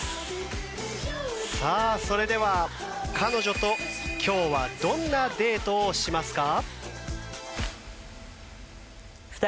さあそれでは彼女と今日はどんなデートをしますか？